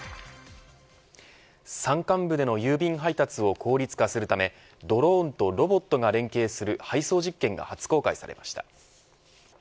山間部での郵便配達を効率化するためドローンとロボットが連携する配送実験が初公開されました。